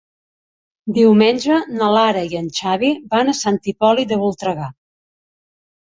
Diumenge na Lara i en Xavi van a Sant Hipòlit de Voltregà.